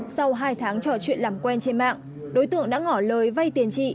sau hai tháng trò chuyện làm quen trên mạng đối tượng đã ngỏ lời vay tiền chị